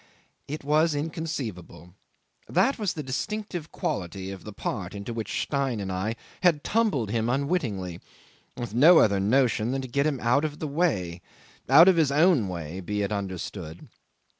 'It was inconceivable. That was the distinctive quality of the part into which Stein and I had tumbled him unwittingly, with no other notion than to get him out of the way; out of his own way, be it understood.